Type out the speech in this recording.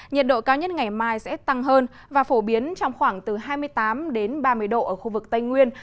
nhiệt độ cao nhất ngày mai sẽ tăng hơn và phổ biến trong khoảng từ hai mươi tám ba mươi độ ở khu vực tây nguyên